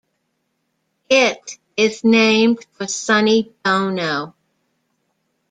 It is named for Sonny Bono.